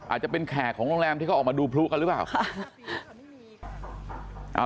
อาจจะเป็นแขกของโรงแรมที่เขาออกมาดูพลุกันหรือเปล่า